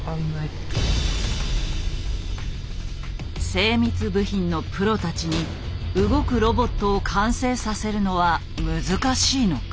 精密部品のプロたちに動くロボットを完成させるのは難しいのか？